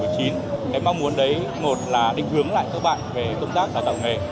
cái mong muốn đấy một là định hướng lại các bạn về công tác đào tạo nghề